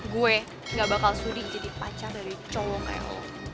gue gak bakal sudi jadi pacar dari cowok kayak lo